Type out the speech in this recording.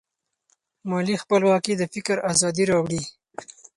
مالي خپلواکي د فکر ازادي راوړي.